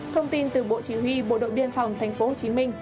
thông tin từ bộ chỉ huy bộ đội biên phòng tp hcm